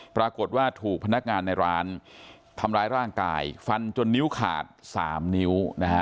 ปรากฏว่าถูกพนักงานในร้านทำร้ายร่างกายฟันจนนิ้วขาดสามนิ้วนะฮะ